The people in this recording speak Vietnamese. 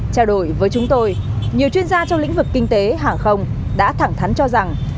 trao đổi với chúng tôi nhiều chuyên gia trong lĩnh vực kinh tế hàng không đã thẳng thắn cho rằng